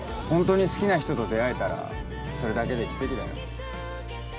ホントに好きな人と出会えたらそれだけで奇跡だよ